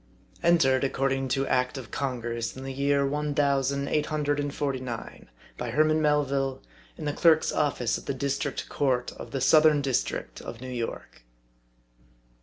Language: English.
Entered, according to Act of Congress, in the year one thousand eight hundred and forty nine, by HERMAN MELVILLE, in the Clerk's Office of the District Court of the Southern District * of New York.